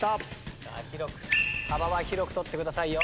幅は広く幅は広く取ってくださいよ。